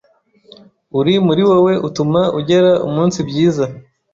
uri muri wowe utuma ugera umunsi byiza.